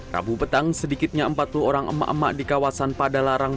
rabu petang sedikitnya empat puluh orang emak emak di kawasan padalarang